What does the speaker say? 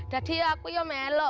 parti zat voix yang memuji